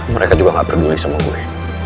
mereka juga gak peduli sama gue